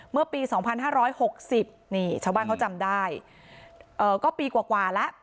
เมื่อปีสองพันห้าร้อยหกสิบนี่ชาวบ้านเขาจำได้ก็ปีกว่ากว่าแล้ว